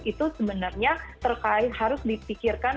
itu sebenarnya terkait harus dipikirkan